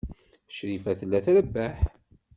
Crifa tella trebbeḥ.